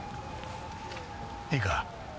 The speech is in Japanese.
いいか？